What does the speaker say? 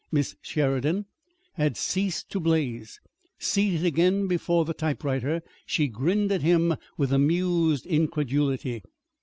Miss Sheridan had ceased to blaze. Seated again before the typewriter she grinned at him with amused incredulity.